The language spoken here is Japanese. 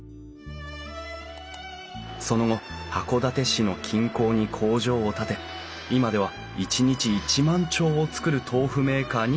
その後函館市の近郊に工場を建て今では一日１万丁を作る豆腐メーカーに成長。